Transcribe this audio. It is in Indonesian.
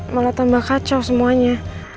malah tambah kacau semuanya